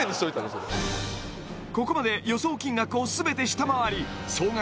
それここまで予想金額を全て下回り総額